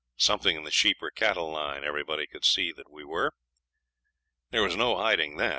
Something in the sheep or cattle line everybody could see that we were. There was no hiding that.